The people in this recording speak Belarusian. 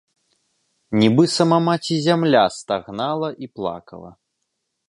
Нібы сама маці зямля стагнала і плакала.